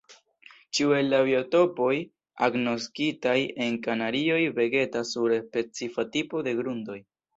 Ĉiu el la biotopoj agnoskitaj en Kanarioj vegetas sur specifa tipo de grundoj.